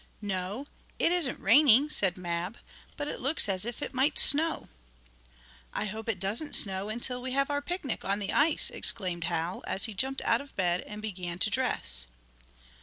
"No, it isn't raining," said Mab, "but it looks as if it might snow." "I hope it doesn't snow until we have our pic nic on the ice," exclaimed Hal, as he jumped out of bed, and began to dress.